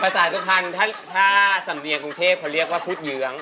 สายสุพรรณถ้าสำเนียงกรุงเทพเขาเรียกว่าพูดเยื้อง